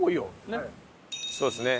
そうですね。